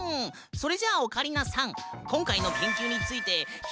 それじゃオカリナさん